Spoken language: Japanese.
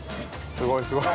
すごい、すごい。